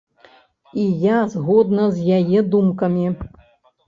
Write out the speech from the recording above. І я згодна з яе думкамі.